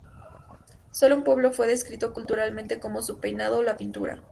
Solo un pueblo fue descrito culturalmente, como su peinado o la pintura.